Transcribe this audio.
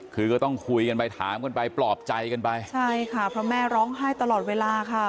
คือก็ต้องคุยกันไปถามกันไปปลอบใจกันไปใช่ค่ะเพราะแม่ร้องไห้ตลอดเวลาค่ะ